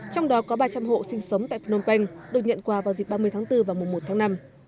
trong đó có ba trăm linh hộ sinh sống tại phnom penh được nhận quà vào dịp ba mươi tháng bốn và mùa một tháng năm